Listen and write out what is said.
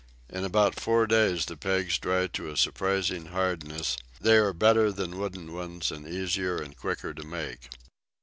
In about four days the pegs dry to a surprising hardness; they are better than wooden ones, and easier and quicker to make.